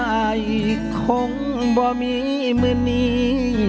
ใครคงบ่มิมือนี้